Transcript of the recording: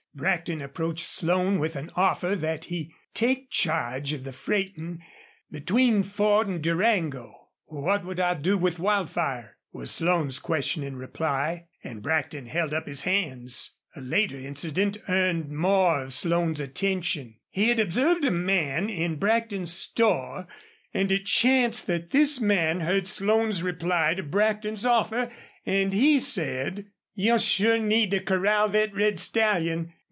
Brackton approached Slone with an offer that he take charge of the freighting between the Ford and Durango. "What would I do with Wildfire?" was Slone's questioning reply, and Brackton held up his hands. A later incident earned more of Slone's attention. He had observed a man in Brackton's store, and it chanced that this man heard Slone's reply to Brackton's offer, and he said: "You'll sure need to corral thet red stallion.